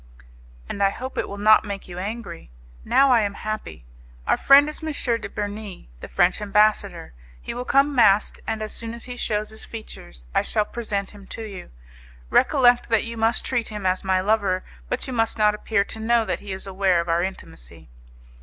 "And I hope it will not make you angry. Now I am happy. Our friend is M. de Bernis, the French ambassador. He will come masked, and as soon as he shews his features I shall present him to you. Recollect that you must treat him as my lover, but you must not appear to know that he is aware of our intimacy."